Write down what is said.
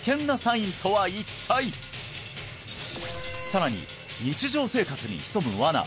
さらに日常生活に潜むワナ